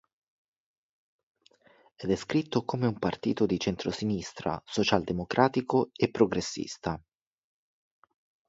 È descritto come un partito di centro-sinistra, socialdemocratico e progressista.